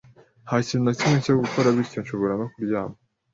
Nta kintu na kimwe cyo gukora, bityo nshobora no kuryama.